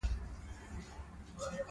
د سیرت النبي لوستل ډیر اړین دي